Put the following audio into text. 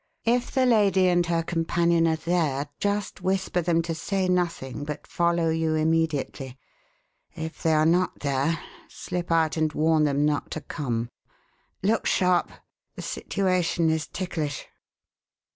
If the lady and her companion are there, just whisper them to say nothing, but follow you immediately. If they are not there, slip out and warn them not to come. Look sharp the situation is ticklish!"